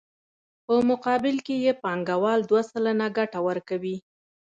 په مقابل کې یې بانکوال دوه سلنه ګټه ورکوي